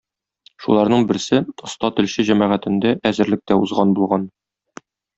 Шуларның берсе "Оста телче" җәмәгатендә әзерлек тә узган булган.